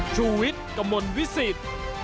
ชุวิตกมลวิสิต